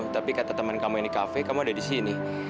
tapi kata temen kamu yang di cafe kamu ada disini